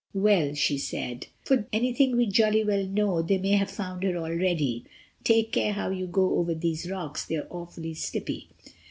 "Well," she said, "for anything we jolly well know, they may have found her already. Take care how you go over these rocks, they're awfully slippy."